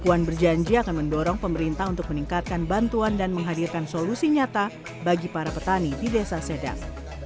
puan berjanji akan mendorong pemerintah untuk meningkatkan bantuan dan menghadirkan solusi nyata bagi para petani di desa sedap